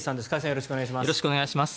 よろしくお願いします。